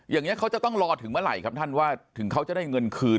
อย่างนี้เขาจะต้องรอถึงเมื่อไหร่ครับท่านว่าถึงเขาจะได้เงินคืน